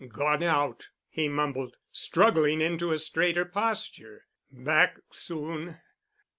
"Gone out," he mumbled, struggling into a straighter posture, "back soon."